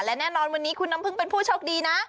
และแน่นอนวันนี้คุณน้ำพึ่งเป็นผู้โชคดีนะ